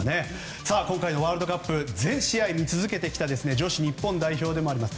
今回のワールドカップ全試合見続けてきた女子日本代表でもあります